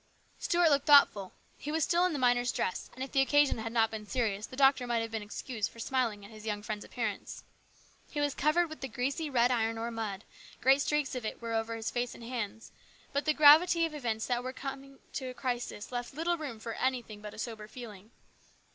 Stuart looked thoughtful. He was still in the miner's dress, and if the occasion had not been serious the doctor might have been excused for smiling at his young friend's appearance. He was covered with the greasy red iron ore mud, great streaks of it were over his face and hands ; but the THE RESCUE. 77 gravity of events that were evidently coming to a crisis left little room for anything but sober feeling.